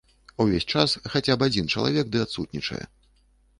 Увесь час хаця б адзін чалавек ды адсутнічае.